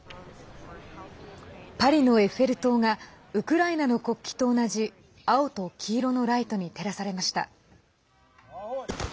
パリのエッフェル塔がウクライナの国旗と同じ青と黄色のライトに照らされました。